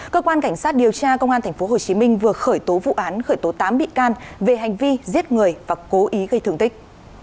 cơ quan cảnh sát điều tra công an tp hcm vừa khởi tố vụ án khởi tố tám bị can về hành vi giết người và cố ý gây thương tích